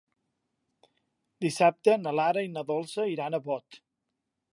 Dissabte na Lara i na Dolça iran a Bot.